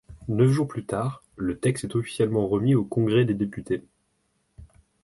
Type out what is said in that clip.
Neuf jours plus tard, le texte est officiellement remis au Congrès des députés.